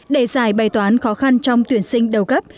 để giải bày toán khó khăn trong tuyển sinh đầu cấp